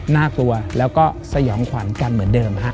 น่ากลัวแล้วก็สยองขวัญกันเหมือนเดิมฮะ